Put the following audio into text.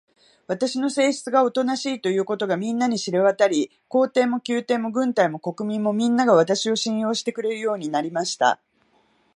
私の性質がおとなしいということが、みんなに知れわたり、皇帝も宮廷も軍隊も国民も、みんなが、私を信用してくれるようになりました。